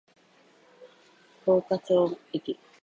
十日町駅